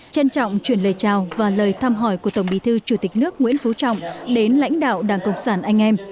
trân trọng chuyển lời chào và lời thăm hỏi của tổng bí thư chủ tịch nước nguyễn phú trọng đến lãnh đạo đảng cộng sản anh em